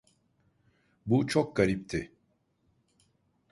Bu çok garipti.